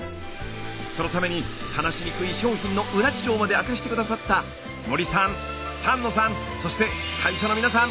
そのために話しにくい商品の裏事情まで明かして下さった森さん丹野さんそして会社の皆さん